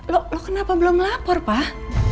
lo kenapa belum lapor pak